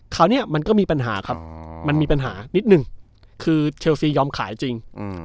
คราวนี้มันก็มีปัญหาครับมันมีปัญหานิดนึงคือเชลซียอมขายจริง